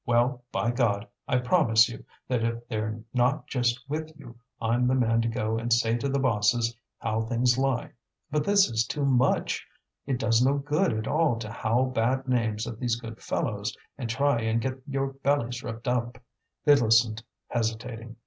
Well, by God! I promise you, that if they're not just with you, I'm the man to go and say to the bosses how things lie. But this is too much, it does no good at all to howl bad names at these good fellows, and try and get your bellies ripped up." They listened, hesitating.